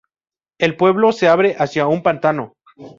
El pueblo se abre hacia un pantano.